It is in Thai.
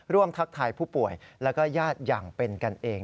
ทักทายผู้ป่วยแล้วก็ญาติอย่างเป็นกันเอง